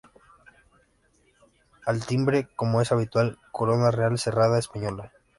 Al timbre, como es habitual, corona real cerrada española".